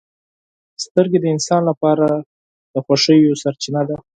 • سترګې د انسان لپاره د خوښیو سرچینه ده.